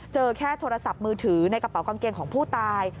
เจอแค่โทรศัพท์มือถือในกระเป๋ากางเกงของผู้ตาย